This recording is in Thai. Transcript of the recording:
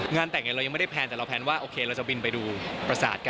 แต่งเรายังไม่ได้แพลนแต่เราแพลนว่าโอเคเราจะบินไปดูประสาทกัน